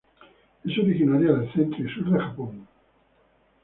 Es originaria del centro y sur de Japón.